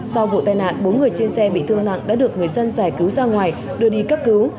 sau vụ tai nạn bốn người trên xe bị thương nặng đã được người dân giải cứu ra ngoài đưa đi cấp cứu